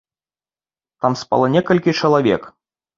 Там спала некалькі чалавек.